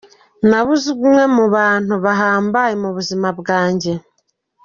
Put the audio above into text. Ndabuze umwe mu bantu bahambaye mu buzima bwanje.